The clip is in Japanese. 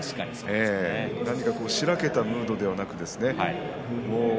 しらけたムードではなくてね